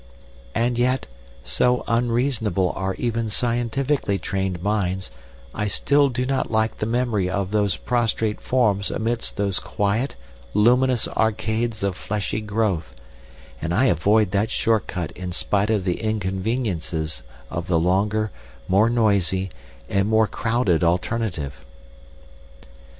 And yet, so unreasonable are even scientifically trained minds, I still do not like the memory of those prostrate forms amidst those quiet, luminous arcades of fleshy growth, and I avoid that short cut in spite of the inconveniences of the longer, more noisy, and more crowded alternative.